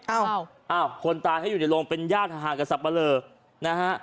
อ้าวอ้าวคนตายเขาอยู่ในโรงเป็นญาติห่างกับสับปะเลอนะฮะ